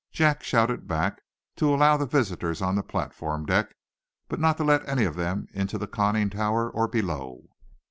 Jack shouted back to allow the visitors on the platform deck, but not to let any of them into the conning tower, or below.